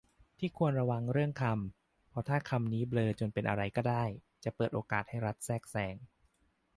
ที่ควรระวังเรื่องคำ เพราะถ้าคำนี้เบลอจนเป็นอะไรก็ได้ จะเปิดโอกาสให้รัฐแทรกแซง